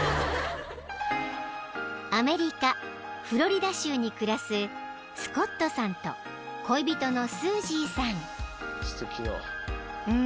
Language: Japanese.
［アメリカフロリダ州に暮らすスコットさんと恋人のスージーさん］